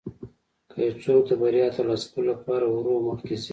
که یو څوک د بریا ترلاسه کولو لپاره ورو مخکې ځي.